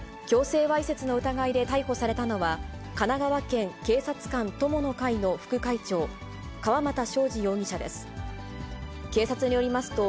強制わいせつの疑いで逮捕されたのは、神奈川県警察官友の会の副会長、川又勝治容疑者です。